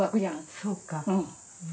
そうか。